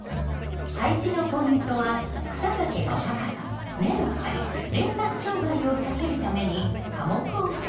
配置のポイントは草丈の高さ根の張り連作障害を避けるために科目を知っておくこと